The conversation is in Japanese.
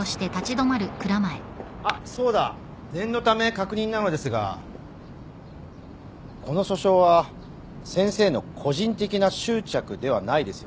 あっそうだ念のため確認なのですがこの訴訟は先生の個人的な執着ではないですよね？